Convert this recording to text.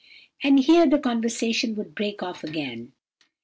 "And here the conversation would break off again.